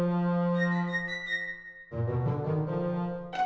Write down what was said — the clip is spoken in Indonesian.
mbak surti kamu sudah berhasil